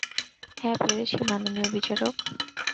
হ্যাঁ পেরেছি, মাননীয় বিচারক।